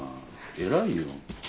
偉いよ。